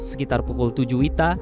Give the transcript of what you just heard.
sekitar pukul tujuh wita